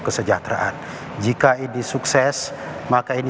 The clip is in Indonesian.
kesejahteraan jika ini sukses maka ini